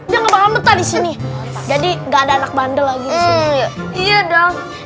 jadi enggak ada anak bandel lagi iya dong